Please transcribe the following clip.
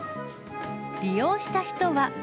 利用した人は。